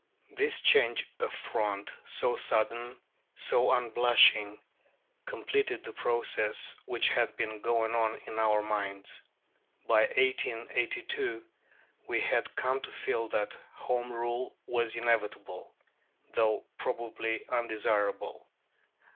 This change of front, so sudden, so unblushing, completed the process which had been going on in our minds. By 1882 we had come to feel that Home Rule was inevitable, though probably undesirable.